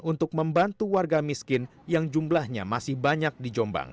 untuk membantu warga miskin yang jumlahnya masih banyak di jombang